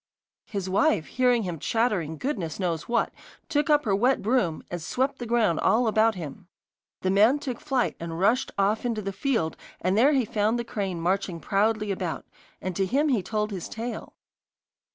His wife, hearing him chattering goodness knows what, took up her wet broom and swept the ground all about him. The man took flight and rushed oft into the field, and there he found the crane marching proudly about, and to him he told his tale.